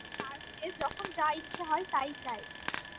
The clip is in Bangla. তার চেয়ে যখন যা ইচ্ছে হয় তাই চাই।